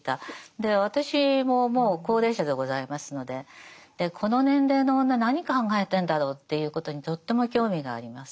で私ももう高齢者でございますのででこの年齢の女何考えてんだろうということにとっても興味があります。